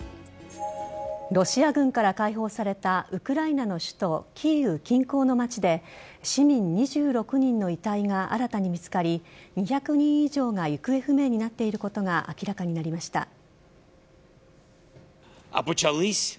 ロシア軍から解放されたウクライナの首都キーウ近郊の町で市民２６人の遺体が新たに見つかり２００人以上が行方不明になっていることが明らかになりました。